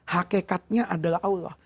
hakikatnya adalah allah